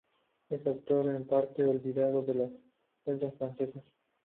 Es un autor, en parte, olvidado de las letras francesas.